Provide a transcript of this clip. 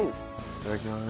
いただきます。